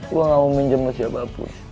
gua gak mau minjem sama siapapun